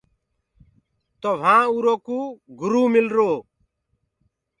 تو وهآنٚ اُرو ڪو گرُ ملرو۔